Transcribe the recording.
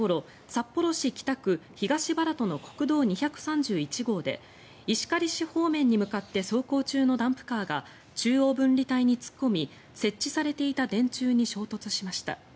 札幌市北区東茨戸の国道２３１号で石狩市方面に向かって走行中のダンプカーが中央分離帯に突っ込み設置されていた電柱に衝突しました。